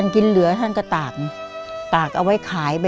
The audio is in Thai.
เขาก็ตากเอาไว้ขาย